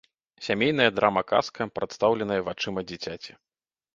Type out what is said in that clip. Сямейная драма-казка, прадстаўленая вачыма дзіцяці.